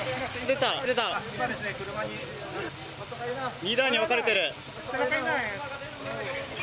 ２台に分かれている。